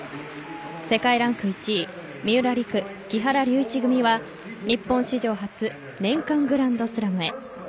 世界ランク１位三浦璃来、木原龍一組は日本史上初年間グランドスラムへ。